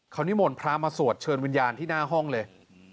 เขานิมนต์พระมาสวดเชิญวิญญาณที่หน้าห้องเลย